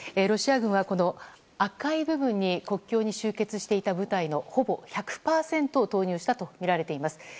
ロシア軍は、赤い部分に国境に集結していた部隊のほぼ１００％を投入したとみられています。